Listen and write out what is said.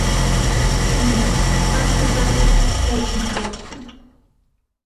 Нет, так, пожалуй, уж очень пестро.